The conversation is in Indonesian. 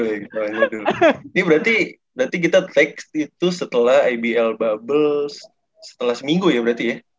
ini berarti kita text itu setelah ibl bubble setelah seminggu ya